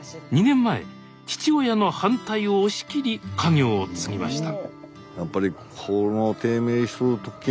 ２年前父親の反対を押し切り家業を継ぎました